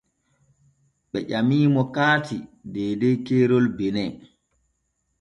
Ɓe ƴamimo karti deydey keerol Benin.